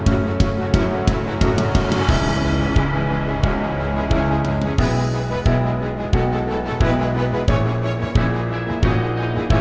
udah ahli dia